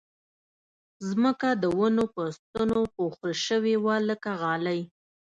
ځمکه د ونو په ستنو پوښل شوې وه لکه غالۍ